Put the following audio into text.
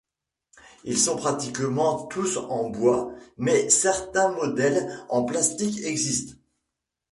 Ils sont pratiquement tous en bois mais certains modèles en plastique existent.